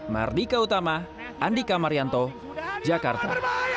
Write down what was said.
mardika utama andika marianto jakarta